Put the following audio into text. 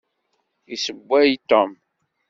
Issewway Tom.